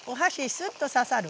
スッと刺さる。